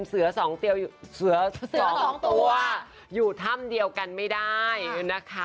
เสือสองตัวอยู่ถ้ำเดียวกันไม่ได้นะคะ